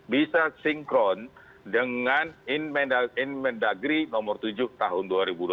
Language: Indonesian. bisa sinkron dengan in mendagri nomor tujuh tahun dua ribu dua puluh satu